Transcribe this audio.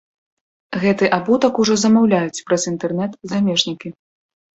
Гэты абутак ужо замаўляюць праз інтэрнэт замежнікі.